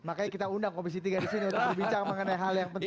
makanya kita undang komisi tiga disini untuk berbincang mengenai hal yang penting